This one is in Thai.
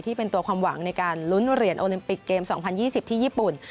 ที่เป็นตัวความหวังในการลุ้นเหรียญโอลิมปิกเกม๒๐๒๐ที่ญี่ปุ่น